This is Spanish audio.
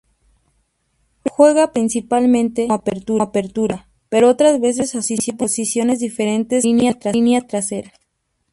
Juega principalmente como apertura, pero otras veces asume posiciones diferentes en la línea trasera.